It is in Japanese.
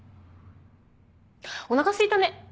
おなかすいたね